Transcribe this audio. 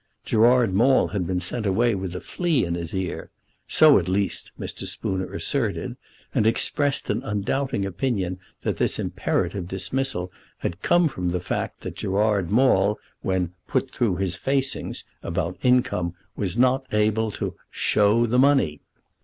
Gerard Maule had been sent away with a flea in his ear, so, at least, Mr. Spooner asserted, and expressed an undoubting opinion that this imperative dismissal had come from the fact that Gerard Maule, when "put through his facings" about income was not able to "show the money."